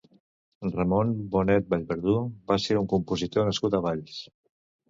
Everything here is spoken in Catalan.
Ramon Bonet Vallverdú va ser un compositor nascut a Valls.